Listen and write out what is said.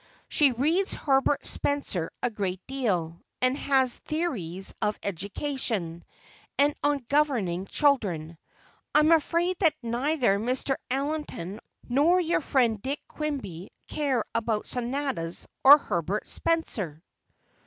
She reads Herbert Spencer a great deal, and has theories of education, and on governing children. I'm afraid that neither Mr. Allenton nor your friend Dick Quimby care about sonatas or Herbert Spencer."